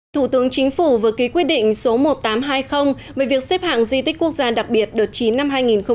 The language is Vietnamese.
thủ tướng chính phủ vừa ký quyết định số một nghìn tám trăm hai mươi về việc xếp hạng di tích quốc gia đặc biệt đợt chín năm hai nghìn một mươi chín